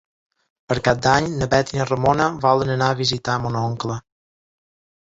Per Cap d'Any na Bet i na Ramona volen anar a visitar mon oncle.